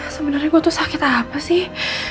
sebenernya gue tuh sakit apa sih